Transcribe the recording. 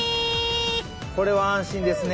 これは安心ですね。